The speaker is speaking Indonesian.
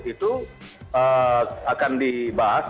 itu akan dibahas